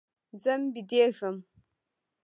ځم بيدېږم.